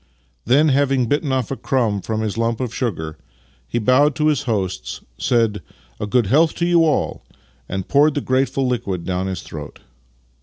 Then, having bitten off a crumb from his lump of sugar, he bowed to his hosts, said " A good health to you all! " and poured the grateful liquid down his throat.